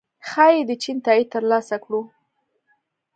ښايي د چین تائید ترلاسه کړو